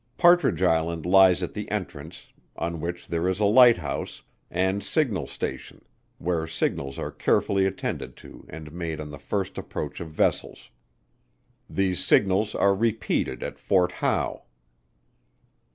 Partridge Island lies at the entrance, on which there is a light house, and signal station, where signals are carefully attended to and made on the first approach of vessels. These signals are repeated at Fort Howe.